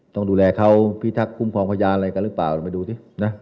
ต้องดูแลเขาพิทักษ์คุมความพยายามอะไรรึเปล่า